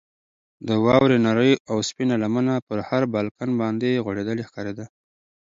د واورې نرۍ او سپینه لمنه پر هر بالکن باندې غوړېدلې ښکارېده.